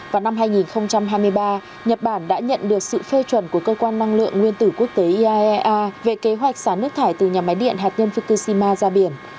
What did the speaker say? vào năm hai nghìn hai mươi ba nhật bản đã nhận được sự phê chuẩn của cơ quan năng lượng nguyên tử quốc tế iaea về kế hoạch xả nước thải từ nhà máy điện hạt nhân fukushima ra biển